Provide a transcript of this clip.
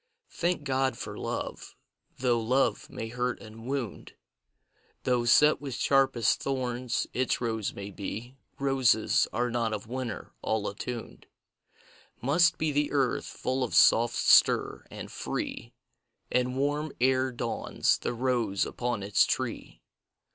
Thank God for Love: though Love may hurt and wound Though set with sharpest thorns its rose may be, Roses are not of winter, all attuned Must be the earth, full of soft stir, and free And warm ere dawns the rose upon its tree.